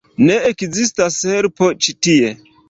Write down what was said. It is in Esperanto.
Ne ekzistas helpo ĉi tie.